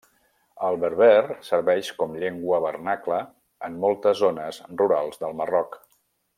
El berber serveix com llengua vernacla en moltes zones rurals del Marroc.